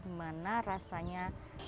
nah gimana rasanya